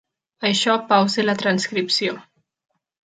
Això pausa la transcripció.